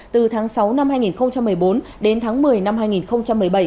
từ tháng sáu năm hai nghìn một mươi bốn đến tháng một mươi năm hai nghìn một mươi bảy